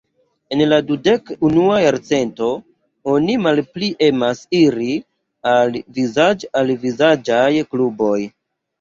En la dudek-unua jarcento, oni malpli emas iri al vizaĝ-al-vizaĝaj kluboj.